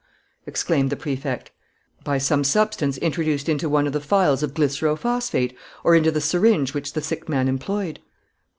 exclaimed the Prefect. "By some substance introduced into one of the phials of glycero phosphate, or into the syringe which the sick man employed."